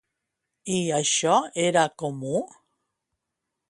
I això era comú?